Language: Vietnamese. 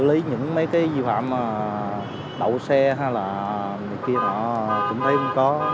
lý những mấy cái dự phạm đậu xe hay là người kia họ cũng thấy cũng có